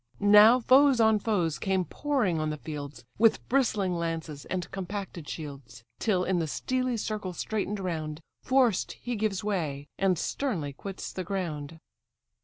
Now foes on foes came pouring on the fields, With bristling lances, and compacted shields; Till in the steely circle straiten'd round, Forced he gives way, and sternly quits the ground.